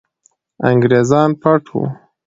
انګریزان به پټ وو.